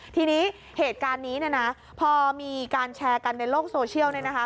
ทีนี้เหตุการณ์นี้พอมีการแชร์กันในโลกโซเชียล